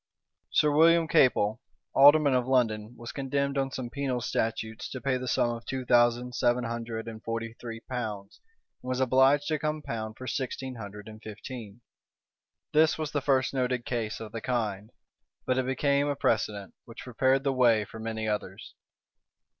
Sir William Capel, alderman of London, was condemned on some penal statutes to pay the sum of two thousand seven hundred and forty three pounds, and was obliged to compound for sixteen hundred and fifteen. This was the first noted case of the kind; but it became a precedent, which prepared the may for many others.